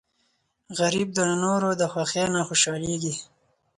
غریب د نورو د خوښۍ نه خوشحالېږي